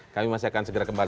kami masih akan segera kembali